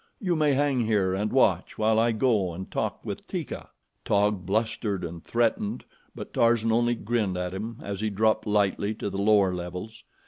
You may hang here and watch while I go and talk with Teeka." Taug blustered and threatened, but Tarzan only grinned at him as he dropped lightly to the lower levels.